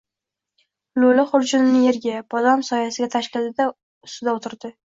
Lo‘li xurjunini yerga — bodom soyasiga tashladi-da, ustida o‘tirdi.